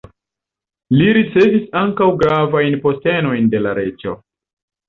Li ricevis ankaŭ gravajn postenojn de la reĝo.